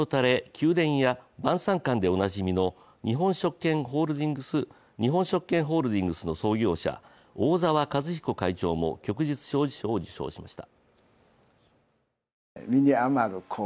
宮殿や晩餐館でおなじみの日本食研ホールディングスの創業者大沢一彦会長も旭日小綬章を受章しました。